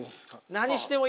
何してもいいです。